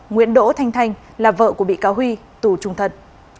nguyễn đỗ thanh thanh là vợ của bị cáo huy tù trung thân